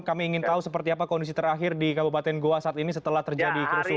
kami ingin tahu seperti apa kondisi terakhir di kabupaten goa saat ini setelah terjadi kerusuhan